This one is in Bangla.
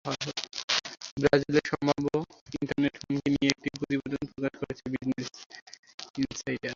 ব্রাজিলের সম্ভাব্য ইন্টারনেট হুমকি নিয়ে একটি প্রতিবেদন প্রকাশ করেছে বিজনেস ইনসাইডার।